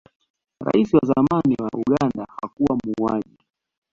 rais wa zamani wa uganda hakuwa muuaji